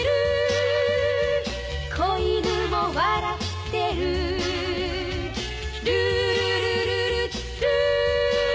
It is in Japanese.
「小犬も笑ってる」「ルールルルルルー」